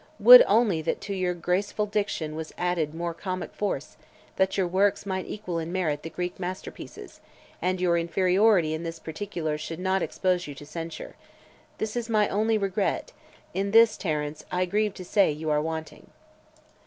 Would only that to your graceful diction was added more comic force, that your works might equal in merit the Greek masterpieces, and your inferiority in this particular should not expose you to censure. This is my only regret; in this, Terence, I grieve to say you are wanting."